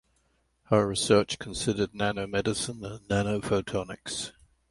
Her research considered nanomedicine and nanophotonics.